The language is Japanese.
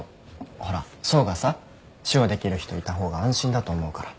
ほら想がさ手話できる人いた方が安心だと思うから。